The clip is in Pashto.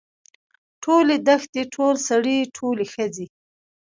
ټولې دښتې ټول سړي ټولې ښځې.